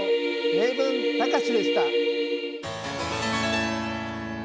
「名文たかし」でした。